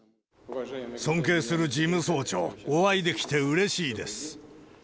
尊敬する事務総長、お会いできてうれしいです。